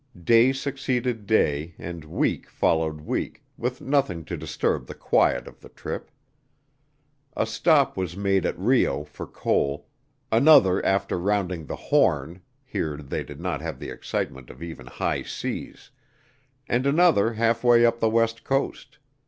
Day succeeded day, and week followed week, with nothing to disturb the quiet of the trip. A stop was made at Rio for coal, another after rounding the Horn (here they did not have the excitement of even high seas), and another halfway up the West coast.